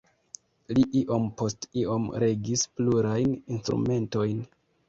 Li iom post iom regis plurajn instrumentojn.